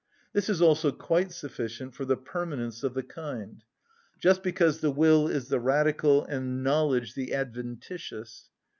This is also quite sufficient for the permanence of the kind; just because the will is the radical and knowledge the adventitious.